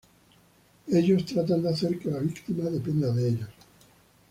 Ellos tratan de hacer que la víctima dependa de ellos.